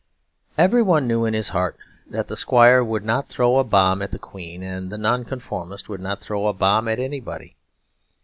Every one knew in his heart that the squire would not throw a bomb at the Queen, and the Nonconformist would not throw a bomb at anybody.